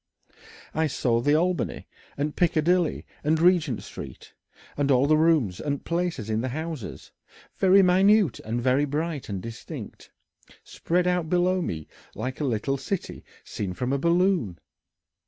I saw the Albany and Piccadilly and Regent Street and all the rooms and places in the houses, very minute and very bright and distinct, spread out below me like a little city seen from a balloon.